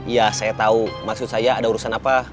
ya saya tahu maksud saya ada urusan apa